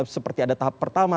seperti ada tahap pertama